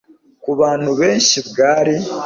Ku bantu benshi bwari